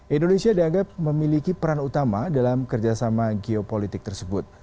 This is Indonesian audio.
indonesia dianggap memiliki peran utama dalam kerjasama geopolitik tersebut